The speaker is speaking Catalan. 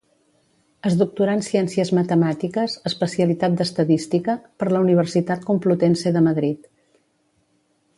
Es doctorà en Ciències Matemàtiques, especialitat d'Estadística, per la Universitat Complutense de Madrid.